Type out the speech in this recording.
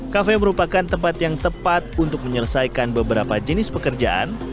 kafe merupakan tempat yang tepat untuk menyelesaikan beberapa jenis pekerjaan